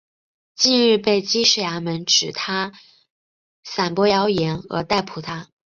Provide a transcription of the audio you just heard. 近日被缉事衙门指他散播妖言而逮捕他。